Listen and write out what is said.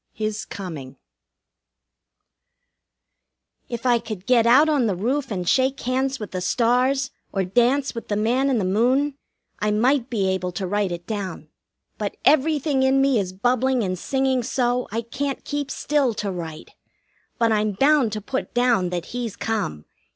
XIII HIS COMING If I could get out on the roof and shake hands with the stars, or dance with the man in the moon, I might be able to write it down; but everything in me is bubbling and singing so, I can't keep still to write. But I'm bound to put down that he's come.